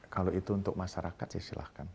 kalau itu untuk masyarakat sih